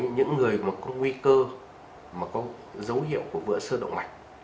những người mà có nguy cơ mà có dấu hiệu của vỡ sơ động mạch